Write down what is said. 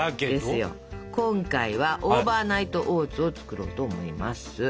今回はオーバーナイトオーツを作ろうと思います。